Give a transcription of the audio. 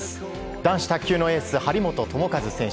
男子卓球のエース張本智和選手。